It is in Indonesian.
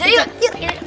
yuk yuk yuk